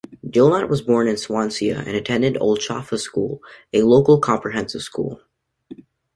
Dilnot was born in Swansea and attended Olchfa School, a local comprehensive school.